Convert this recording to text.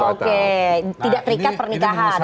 oke tidak terikat pernikahan